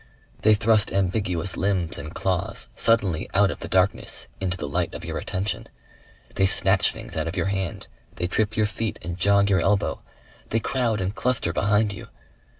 They thrust ambiguous limbs and claws suddenly out of the darkness into the light of your attention. They snatch things out of your hand, they trip your feet and jog your elbow. They crowd and cluster behind you.